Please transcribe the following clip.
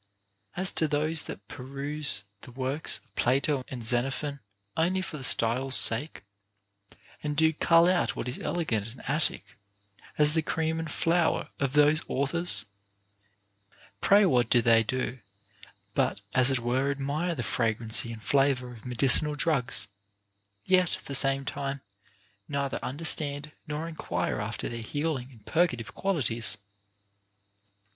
As to those that peruse the works of Plato and Xeno phon only for the style's sake, and do cull out what is elegant and Attic, as the cream and flower of those authors, pray what do they do but as it were admire the fragrancy and flavor of medicinal drugs, yet, at the same time, neither understand nor enquire after their healing and purgative qualities?